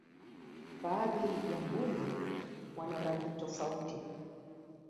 baadhi ya mbuni wana rangi tofauti